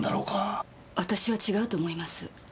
私は違うと思います。